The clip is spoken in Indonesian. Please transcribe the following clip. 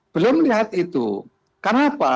beliau melihat itu kenapa